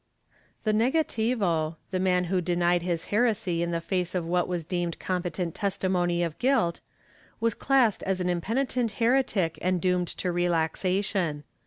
* The negativo — the man who denied his heresy in the face of what was deemed competent testimony of guilt — was classed as an impenitent heretic and doomed to relaxation.